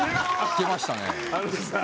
聞けましたね。